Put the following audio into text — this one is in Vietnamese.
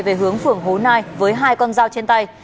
về hướng phường hố nai với hai con dao trên tay